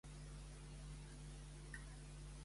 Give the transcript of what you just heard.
Algú que estossa està colpejant?